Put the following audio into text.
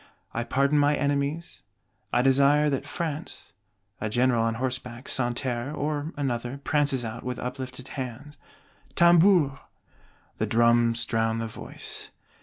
I pardon my enemies; I desire that France " A General on horseback, Santerre or another, prances out, with uplifted hand: "Tambours!" The drums drown the voice.